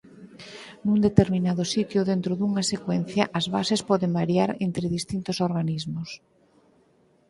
Nun determinado sitio dentro dunha secuencia as bases poden variar entre distintos organismos.